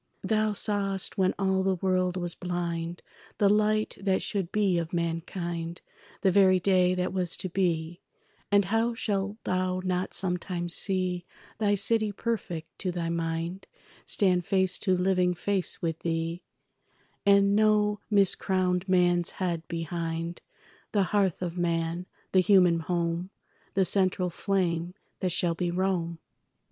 Thou sawest, when all the world was blind, The light that should be of mankind, The very day that was to be; And how shalt thou not sometime see Thy city perfect to thy mind Stand face to living face with thee, And no miscrowned man's head behind; The hearth of man, the human home, The central flame that shall be Rome?